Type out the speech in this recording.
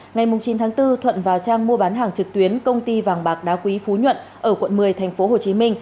ngày chín tháng bốn thuận vào trang mua bán hàng trực tuyến công ty vàng bạc đá quý phú nhuận ở quận một mươi tp hcm